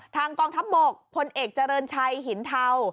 กองทัพบกพลเอกเจริญชัยหินเทา